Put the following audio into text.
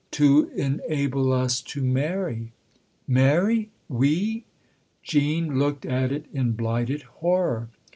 " To enable us to marry." "Marry? we?" Jean looked at it in blighted horror.